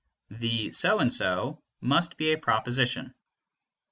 the "so and so" must be a proposition.